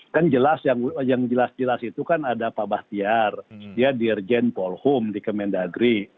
kan jelas yang jelas jelas itu kan ada pak bahtiar dia dirjen polhum di kemendagri